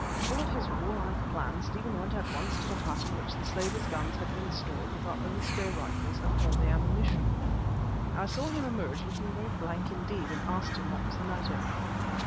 Full of his warlike plan, Stephen went at once to the hut in which the slavers' guns had been stored with our own spare rifles and all the ammunition. I saw him emerge looking very blank indeed and asked him what was the matter.